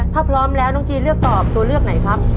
ถ้าพร้อมแล้วน้องจีนเลือกตอบตัวเลือกไหนครับ